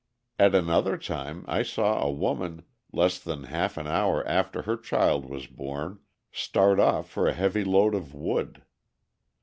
At another time I saw a woman, less than half an hour after her child was born, start off for a heavy load of wood.